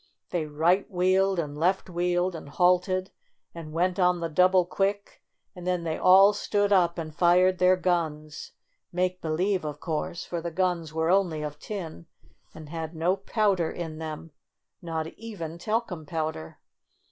They right wheeled and left wheeled and halted and went on the double quick and then they all stood up and fired their guns — make believe, of course, for the guns IN AN AUTOMOBILE 43 were only of tin, and had no powder in them, not even talcum powder.